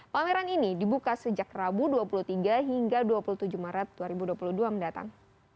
pameran ini dibuka sejak rabu dua puluh tiga hingga dua puluh tujuh maret dua ribu dua puluh dua mendatang